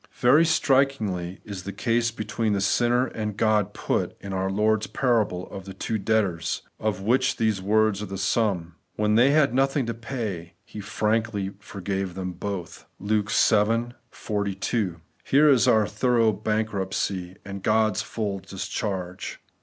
Very strikingly is the case between the sinner and God put in our Lord's parable of the two debtors, of which these words are the sum :' When they had nothing to pay, he frankly forgave them both ' (Luke vii 42). Here is our thorough bankruptcy, and God's full discharge.